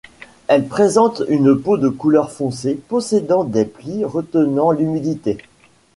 Elle présente une peau de couleur foncée possédant des plis retenant l'humidité.